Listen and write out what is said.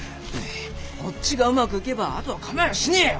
こっちがうまくいけばあとはかまいやしねえよ！